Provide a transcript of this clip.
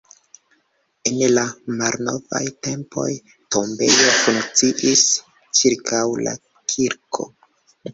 En la malnovaj tempoj tombejo funkciis ĉirkaŭ la kirko.